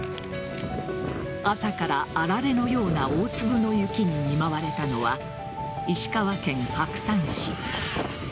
朝からあられのような大粒の雪に見舞われたのは石川県白山市。